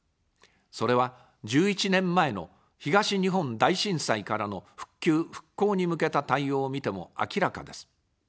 それは、１１年前の東日本大震災からの復旧・復興に向けた対応を見ても明らかです。